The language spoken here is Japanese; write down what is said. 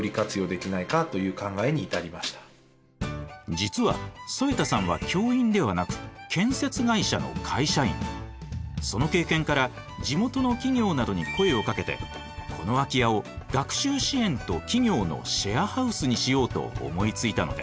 実は添田さんはその経験から地元の企業などに声をかけてこの空き家を学習支援と企業のシェアハウスにしようと思いついたのです。